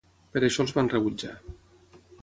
Per això els van rebutjar.